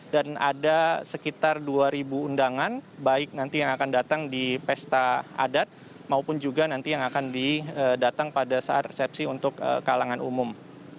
dan ada sekitar dua ribu undangan baik nanti yang akan datang di pesta adat maupun juga nanti yang akan didatang pada saat resepsi untuk kalangan umum